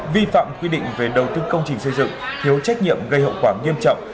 vi phạm quy định về đầu tư công trình xây dựng thiếu trách nhiệm gây hậu quả nghiêm trọng